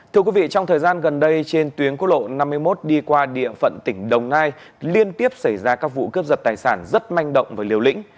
thưa quý vị trong thời gian gần đây trên tuyến quốc lộ năm mươi một đi qua địa phận tỉnh đồng nai liên tiếp xảy ra các vụ cướp giật tài sản rất manh động và liều lĩnh